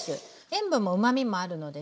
塩分もうまみもあるのでね